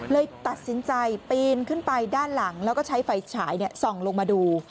เลยตัดสินใจปีนขึ้นไปด้านหลังแล้วก็ใช้ไฟฉายส่องลงมาดู